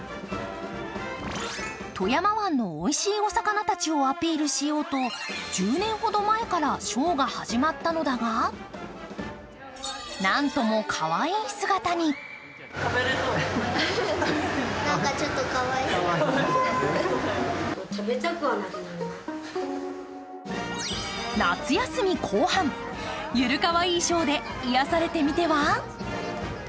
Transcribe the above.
富山湾のおいしいお魚たちをアピールしようと１０年ほど前からショーが始まったのだが何ともかわいい姿に夏休み後半、ゆるかわいいショーで癒やされてみては？